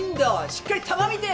しっかり球見て。